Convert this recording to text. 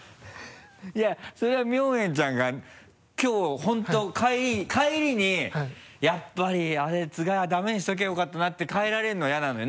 いやそれは妙圓ちゃんがきょう本当帰りに「やっぱりあれつがいはダメにしておけばよかったな」って帰られるの嫌なのよ